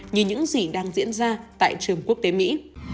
như những gì đang diễn ra tại trường quốc tế mỹ